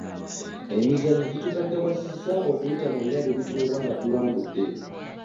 emizannyo gitugagawaza okuyita mu birabo ebituwebwa nga tuwangudde